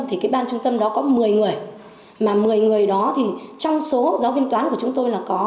thì cái ban trung tâm đó có một mươi người mà một mươi người đó thì trong số giáo viên toán của chúng tôi là có